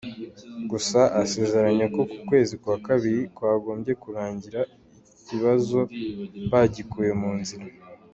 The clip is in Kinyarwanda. Gusa asezeranyo ko uku kwezi kwa Kabiri kwagombye kurangira ikibazo bagikuye mu nzira .